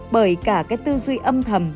bởi cả cái tư duy âm thầm